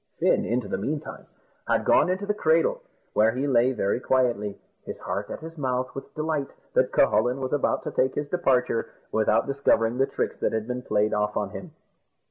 Fin, in the meantime, had gone into the cradle, where he lay very quietly, his heart at his mouth with delight that Cucullin was about to take his departure, without discovering the tricks that had been played off on him.